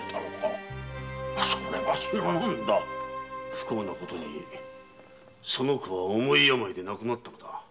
不幸なことにその子は重い病で亡くなったのだ。